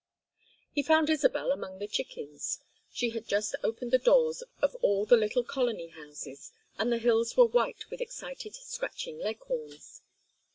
He found Isabel among the chickens. She had just opened the doors of all the little colony houses, and the hills were white with excited scratching Leghorns.